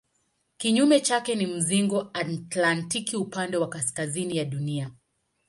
Kinyume chake ni mzingo antaktiki upande wa kaskazini ya Dunia.